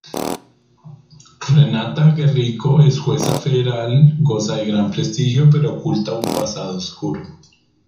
Renata Guerrico es jueza federal, goza de gran prestigio, pero oculta un pasado oscuro.